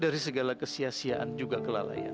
dari segala kesiasiaan juga kelalaian